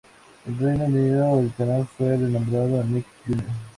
En Reino Unido el canal fue re-nombrado "Nick Jr.